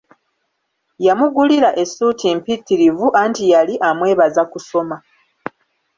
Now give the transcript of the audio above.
Yamugulira essuuti mpitirivu anti yali amwebaza kusoma.